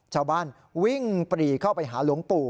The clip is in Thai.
ชาวบ้านวิ่งปรีเข้าไปหาหลวงปู่